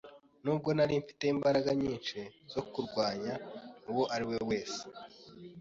nubwo nari mfite imbaraga nyinshi zo kurwanya uwo ari we wese,